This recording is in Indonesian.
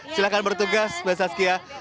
silahkan bertugas mbak saskia